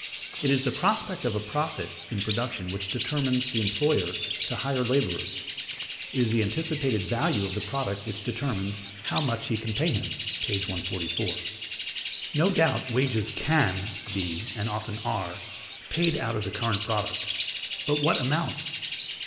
"It is the prospect of a profit in production which determines the employer to hire laborers; it is the anticipated value of the product which determines how much he can pay him" (p. 144). No doubt wages can be (and often are) paid out of the current product; but what amount?